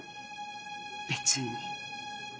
別に。